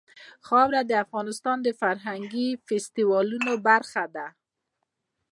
خاوره د افغانستان د فرهنګي فستیوالونو برخه ده.